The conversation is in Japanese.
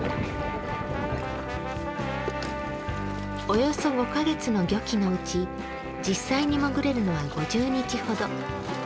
およそ５か月の漁期のうち実際に潜れるのは５０日ほど。